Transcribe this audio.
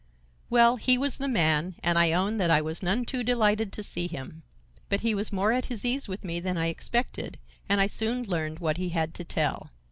"Well, he was the man, and I own that I was none too delighted to see him. But he was more at his ease with me than I expected, and I soon learned what he had to tell.